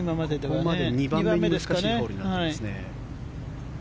ここまで２番目に難しいホールになってますね。